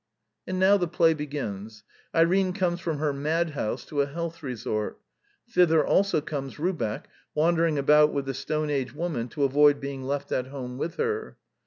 And now the play begins. Irene comes from her madhouse to a " health resort." Thither also comes Rubeck, wandering about with the Stone Age woman to avoid being left at home with her.